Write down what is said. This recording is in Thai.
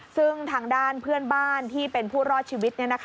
ซึ่งทางด้านเพื่อนบ้านที่เป็นผู้รอดชีวิต